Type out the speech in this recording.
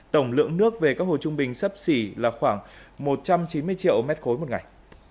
tổng lượng nước về các hồ trung bình sấp xỉ là khoảng một trăm chín mươi triệu m ba một ngày